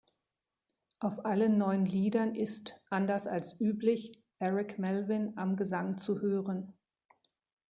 Auf allen neun Liedern ist anders als üblich Eric Melvin am Gesang zu hören.